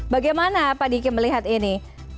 bagaimana pak diki melihat ini